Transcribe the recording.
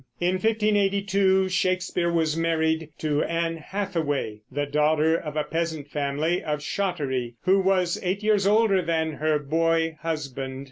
In 1582 Shakespeare was married to Anne Hathaway, the daughter of a peasant family of Shottery, who was eight years older than her boy husband.